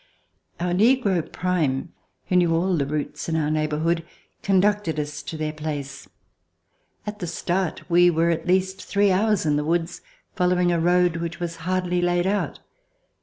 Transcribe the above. Our negro. Prime, who knew all the routes in our neighborhood, conducted us to their place. At the start we were at least three hours in the woods, fol lowing a road which was hardly laid out.